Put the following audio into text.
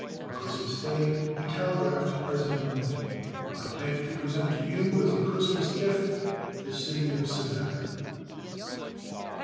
On Christmas day, he telegraphed President Lincoln, "I beg to present to you, as a Christmas gift, the city of Savannah."